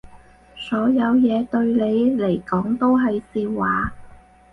所有嘢對你嚟講都係笑話